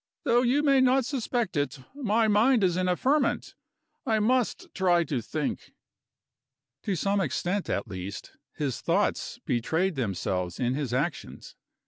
Though you may not suspect it, my mind is in a ferment; I must try to think." To some extent at least, his thoughts betrayed themselves in his actions.